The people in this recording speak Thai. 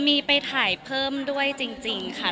มีไปถ่ายเพิ่มด้วยจริงค่ะ